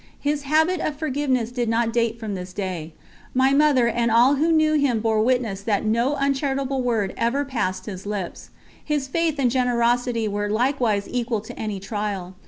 His habit of forgiveness did not date from this day; my Mother and all who knew him bore witness that no uncharitable word ever passed his lips. His faith and generosity were likewise equal to any trial.